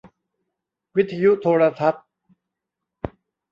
วิทยุโทรทัศน์